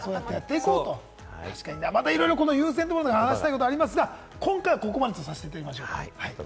いろいろ、この優先について話したいことありますけれども、今回はここまでとさせていただきましょう。